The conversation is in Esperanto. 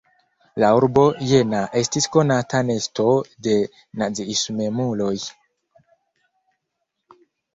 La urbo Jena estis konata nesto de naziismemuloj.